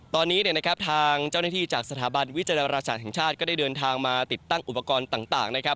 ตอนนี้เนี่ยนะครับทางเจ้าหน้าที่จากสถาบันวิจารณาศาสตร์แห่งชาติก็ได้เดินทางมาติดตั้งอุปกรณ์ต่างนะครับ